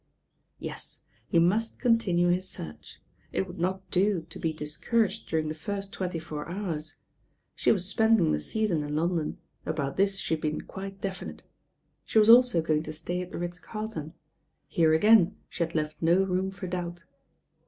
Yes, he must continue his search. It would not do to be discouraged during the first twenty four hours. She was spcndirg the Season in London; about this she had been quite definite. She was also going to stay at the Ritz Carlton ; here again she had left no room for doubt.